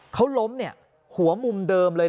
เขาล้มหัวมุมเดิมเลย